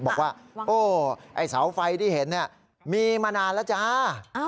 บอกว่าโอ้ไอ้เสาไฟที่เห็นมีมานานแล้วจ้า